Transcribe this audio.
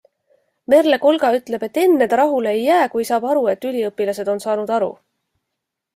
Merle Kolga ütleb, et enne ta rahule ei jää, kui saab aru, et üliõpilased on saanud aru.